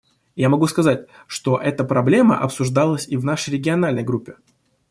И я могу сказать, что эта проблема обсуждалась и в нашей региональной группе.